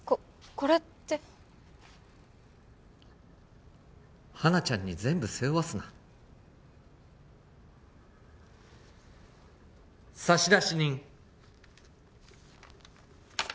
これってハナちゃんに全部背負わすな差出人